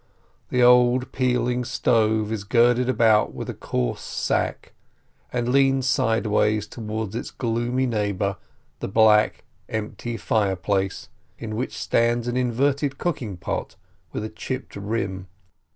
The old, peeling stove is girded about with a coarse sack, and leans sideways toward its gloomy neighbor, the black, empty fireplace, in which stands an inverted cooking pot with a chipped rim.